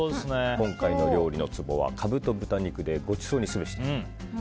今回の料理のツボはカブと豚肉でごちそうにすべしです。